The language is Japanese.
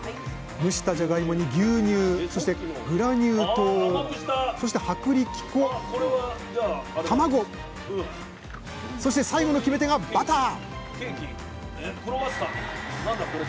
蒸したじゃがいもに牛乳グラニュー糖薄力粉卵そして最後の決め手がバター！